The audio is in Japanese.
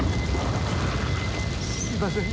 すいません。